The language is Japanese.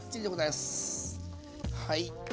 はい。